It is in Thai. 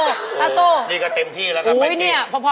ผิดหวังแบบตาตูตาตูนี่ก็เต็มที่แล้วตาตู